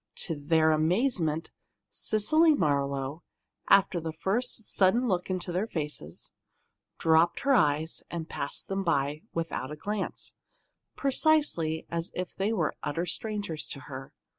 To their amazement, Cecily Marlowe, after the first sudden look into their faces, dropped her eyes, and passed them by without a glance, precisely as if they were utter strangers to her.